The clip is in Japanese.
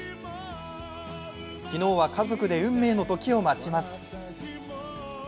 昨日は家族で運命の時を待ちます。